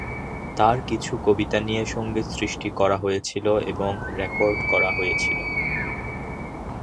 তার কিছু কবিতা নিয়ে সংগীত সৃষ্টি করা হয়েছিল এবং রেকর্ড করা হয়েছিল।